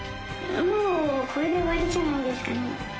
もうこれで終わりじゃないですかね。